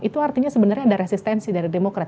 itu artinya sebenarnya ada resistensi dari demokrat